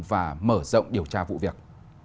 và mở rộng điều tra vụ việc